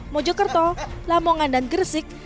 mojokerto lamongan dan gresik